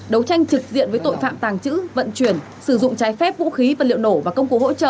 đấu tranh trực diện với tội phạm tàng trữ vận chuyển sử dụng trái phép vũ khí vật liệu nổ và công cụ hỗ trợ